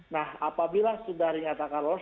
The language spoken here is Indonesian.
nah apabila sudah dinyatakan lolos